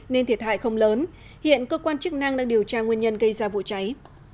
nên thiệt hại không lớn hiện cơ quan chức năng đang điều tra nguyên nhân gây ra vụ cháy